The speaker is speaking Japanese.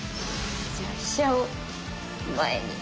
じゃあ飛車を前に。